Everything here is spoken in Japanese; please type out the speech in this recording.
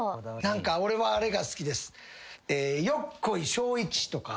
俺はあれが好きです。